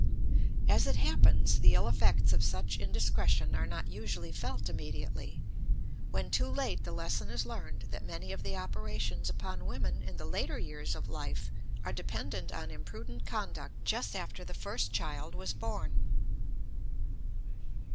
As it happens, the ill effects of such indiscretion are not usually felt immediately; when too late the lesson is learned that many of the operations upon women in the later years of life are dependent on imprudent conduct just after the first child was born.